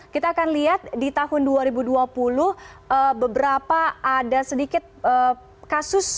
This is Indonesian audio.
kita akan lihat di tahun dua ribu dua puluh beberapa ada sedikit kasus